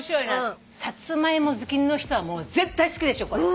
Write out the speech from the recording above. サツマイモ好きの人は絶対好きでしょこれ。